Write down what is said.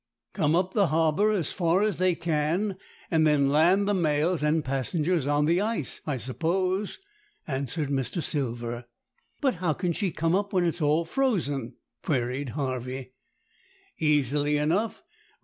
"Come up the harbour as far as they can, and then land the mails and passengers on the ice, I suppose," answered Mr. Silver. "But how can she come up when it's all frozen?" queried Harvey. "Easily enough.